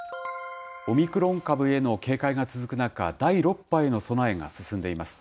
オミクロン株への警戒が続く中、第６波への備えが進んでいます。